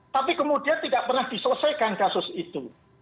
tapi kemudian tidak pernah diselesaikan kasus itu